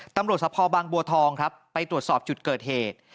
สะพอบางบัวทองครับไปตรวจสอบจุดเกิดเหตุ